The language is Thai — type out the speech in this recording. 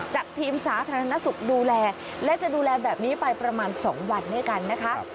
จัดทีมสาธารณสุขดูแลและจะดูแลแบบนี้ไปประมาณ๒วันด้วยกันนะคะ